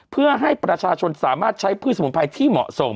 เพื่อให้ประชาชนสามารถใช้พืชสมุนไพรที่เหมาะสม